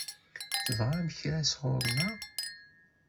Tebɣam kra sɣur-neɣ?